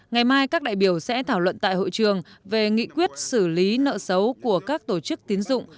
ngày mai các đại biểu sẽ thảo luận tại hội trường về nghị quyết xử lý nợ xấu của các tổ chức tín dụng